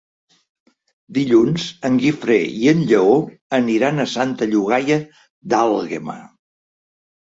Dilluns en Guifré i en Lleó aniran a Santa Llogaia d'Àlguema.